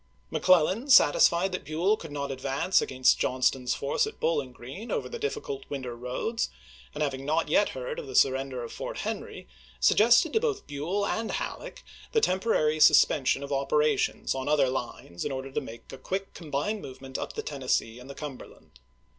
McClellan, satisfied that Buell could not advance against Johnston's force at Bowling Green over the difficult winter roads, and having not yet heard of the surrender of Fort Henry, suggested to both Buell and Halleck the temporary suspension of operations on other lines in order to make a quick combined movement up the Tennessee and the Cumberland.